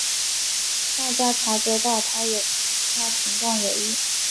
大家察觉到她状况有异